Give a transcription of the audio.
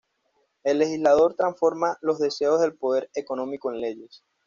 el legislador transforma los deseos del poder económico en leyes